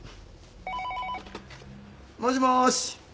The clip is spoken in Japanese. もしもーし。